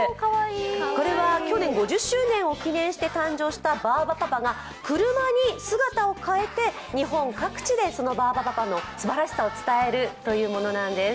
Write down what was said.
これは去年５０周年を記念したバーバパパが車に姿を変えて日本各地でバーバパパのすばらしさを伝えるというものなんです。